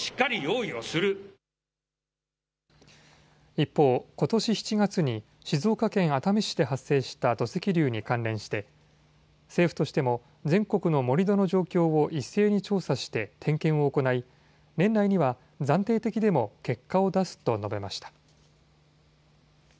一方、ことし７月に静岡県熱海市で発生した土石流に関連して政府としても全国の盛り土の状況を一斉に調査して点検を行い年内には暫定的でも結果を出すと述べました。